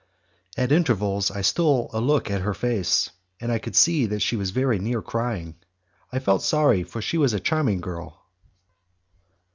At intervals I stole a look at her face, and could see that she was very near crying. I felt sorry, for she was a charming girl.